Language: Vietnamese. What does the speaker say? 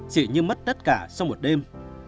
chị như mất tất cả trong một đêm